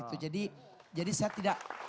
gitu jadi saya tidak